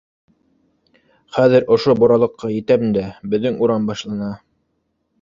Хәҙер ошо боралыҡҡа етәм дә, беҙҙең урам башлана.